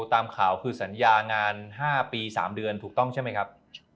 ตามข่าวคือสัญญางาน๕ปี๓เดือนถูกต้องใช่ไหมครับ